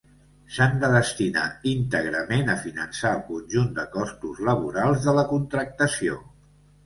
S'han de destinar íntegrament a finançar el conjunt de costos laborals de la contractació.